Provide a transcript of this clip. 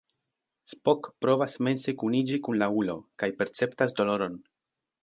Spock provas mense kuniĝi kun la ulo, kaj perceptas doloron.